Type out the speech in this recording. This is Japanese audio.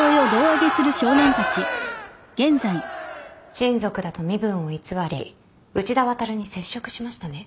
親族だと身分を偽り内田亘に接触しましたね。